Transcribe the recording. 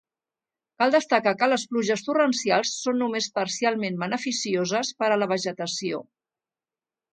Cal destacar que les pluges torrencials són només parcialment beneficioses per a la vegetació.